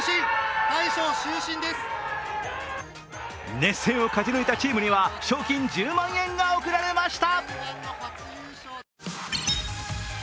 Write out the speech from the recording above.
熱戦を勝ち抜いたチームには賞金１０万円が贈られました。